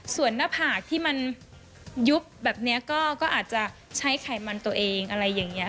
ส่วนหน้าผากที่มันยุบแบบนี้ก็อาจจะใช้ไขมันตัวเองอะไรอย่างนี้